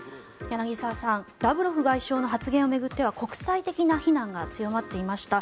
柳澤さんラブロフ外相の発言を巡っては国際的な非難が強まっていました。